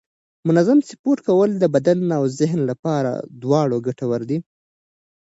منظم سپورت کول د بدن او ذهن لپاره دواړه ګټور دي